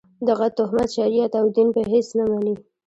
دغه توهمات شریعت او دین په هېڅ نه مني.